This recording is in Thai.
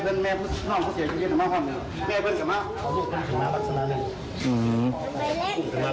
พี่เห็นตอนแรกจุดไหนคือถูก